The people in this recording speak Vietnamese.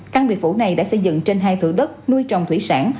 căn biệt phủ này đã xây dựng trên hai thử đất nuôi trồng thủy sản